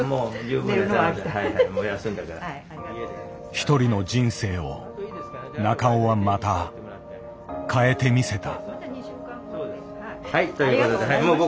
一人の人生を中尾はまた変えてみせた。